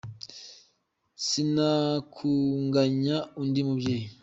Sinakunganya undi mubyeyi.